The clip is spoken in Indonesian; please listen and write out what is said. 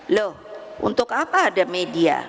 loh untuk apa ada media